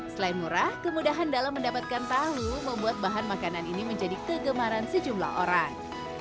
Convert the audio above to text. selain murah kemudahan dalam mendapatkan tahu membuat bahan makanan ini menjadi kegemaran sejumlah orang